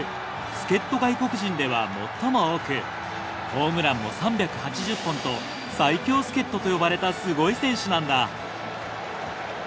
助っ人外国人では最も多くホームランも３８０本と最強助っ人と呼ばれたすごい選手なんだ。